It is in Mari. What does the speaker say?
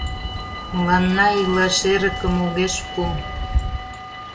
Мыланна илаш эрыкым огеш пу...